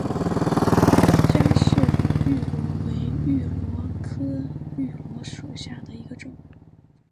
姜氏芋螺为芋螺科芋螺属下的一个种。